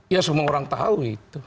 ya semua orang tahu itu